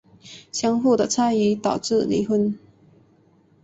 相互的猜疑导致离婚。